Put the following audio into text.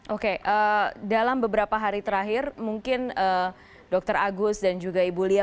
oke dalam beberapa hari terakhir mungkin dokter agus dan juga ibu lia